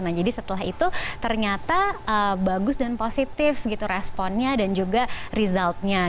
nah jadi setelah itu ternyata bagus dan positif gitu responnya dan juga resultnya